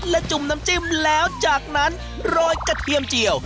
และจุ่มน้ำจิ้มแล้วจากนั้นโรยกระเทียมเจียว